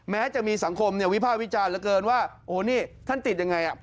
แม้จะมีสังคมเนี่ยวิภาควิจารณ์เหลือเกินว่าโอ้นี่ท่านติดยังไงอ่ะ